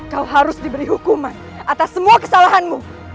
kau harus diberi hukuman atas semua kesalahanmu